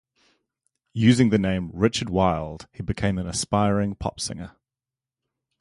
Using the name "Richard Wilde" he became an aspiring pop singer.